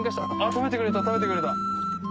食べてくれた食べてくれた。